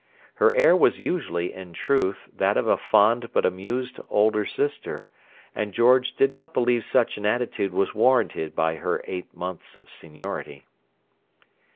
Her air was usually, in truth, that of a fond but amused older sister; and George did not believe such an attitude was warranted by her eight months of seniority.